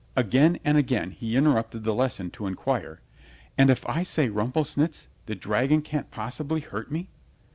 Again and again he interrupted the lesson to inquire, "And if I say 'Rumplesnitz' the dragon can't possibly hurt me?"